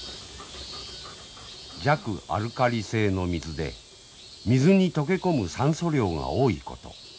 弱アルカリ性の水で水に溶け込む酸素量が多いこと。